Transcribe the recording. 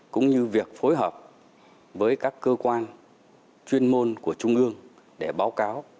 cũng như việc phối hợp với các cơ quan chuyên môn của trung ương để báo cáo